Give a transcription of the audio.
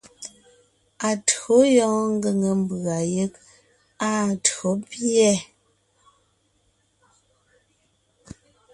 Atÿǒ yɔɔn ngʉ̀ŋe mbʉ̀a yeg áa tÿǒ pîɛ.